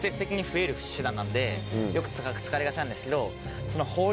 なんでよく使われがちなんですけど。